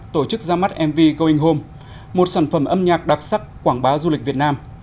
tổ chức ra mắt mv going home một sản phẩm âm nhạc đặc sắc quảng bá du lịch việt nam